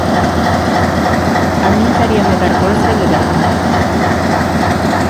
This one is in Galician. A min daríame vergonza, de verdade.